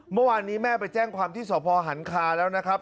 เมื่อวานนี้แม่ไปแจ้งความที่สพหันคาแล้วนะครับ